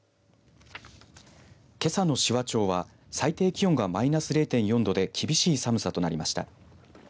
けさの紫波町は最低気温がマイナス０．４度で厳しい寒さとなりました。